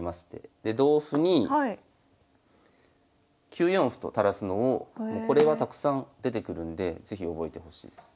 で同歩に９四歩と垂らすのをこれはたくさん出てくるんで是非覚えてほしいです。